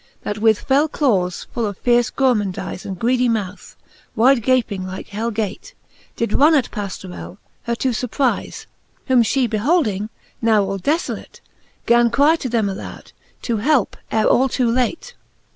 That with fell clawcs, full of fierce gourmandize. And greedy mouth, wide gaping like hell gate, Did runne at Paflorell, her to furprize : Whom fhe beholding, now all defolate Gan cry to them aloud, to helpe her ail too late.